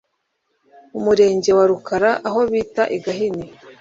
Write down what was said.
Umurenge wa Rukara aho bita I Gahini